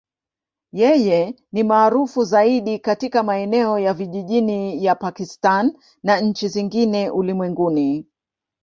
Yeye ni maarufu zaidi katika maeneo ya vijijini ya Pakistan na nchi zingine ulimwenguni.